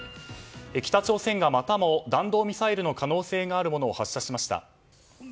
北朝鮮がまたも弾道ミサイルの可能性があるものを発射しました。